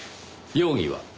容疑は？